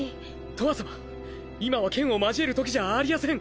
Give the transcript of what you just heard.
とわさま今は剣を交える時じゃあありやせん。